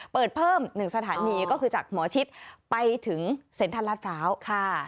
เปิดเพิ่มหนึ่งสถานีก็คือจากหมอชิดไปถึงเซ็นทรัศน์ราชภาว